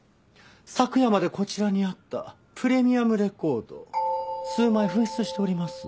昨夜までこちらにあったプレミアムレコード数枚紛失しております。